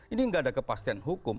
ini nggak ada kepastian hukum